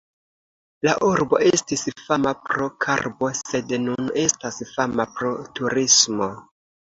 La urbo estis fama pro karbo, sed nun estas fama pro turismo.